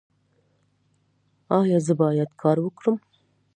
ایا زه باید کار وکړم؟